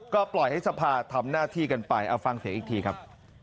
ก็ปล่อยให้สภาทำหน้าที่กันไปเอาฟังเสียงอีกทีครับ